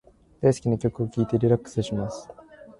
大好きな曲を聞いてリラックスします。